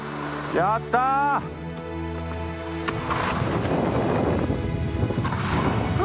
やったぜ！